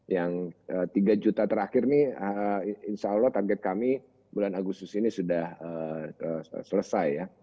yang tiga juta terakhir ini insya allah target kami bulan agustus ini sudah selesai ya